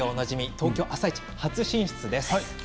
東京「あさイチ」初進出です。